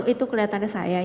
itu kelihatannya saya